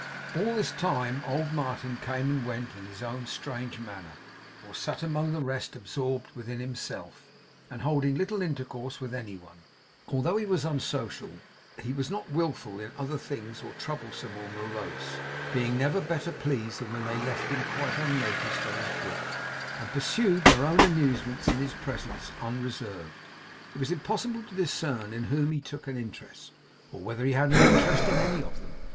All this time old Martin came and went in his own strange manner, or sat among the rest absorbed within himself, and holding little intercourse with any one. Although he was unsocial, he was not willful in other things, or troublesome, or morose; being never better pleased than when they left him quite unnoticed at his book, and pursued their own amusements in his presence, unreserved. It was impossible to discern in whom he took an interest, or whether he had an interest in any of them.